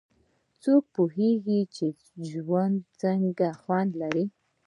څوک پوهیږي چې ژوند څه خوند لري